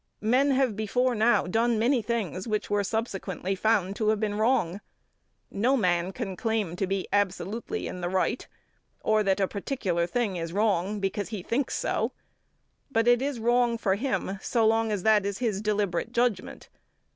Men have before now done many things which were subsequently found to have been wrong. No man can claim to be absolutely in the right, or that a particular thing is wrong, because he thinks so, but it is wrong for him so long as that is his deliberate judgment.